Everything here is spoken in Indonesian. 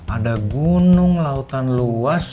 ada gunung lautan luas